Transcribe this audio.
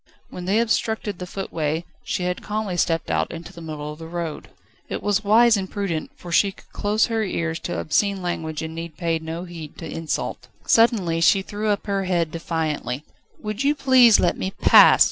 When they obstructed the footway, she had calmly stepped out into the middle of the road. It was wise and prudent, for she could close her ears to obscene language and need pay no heed to insult. Suddenly she threw up her head defiantly. "Will you please let me pass?"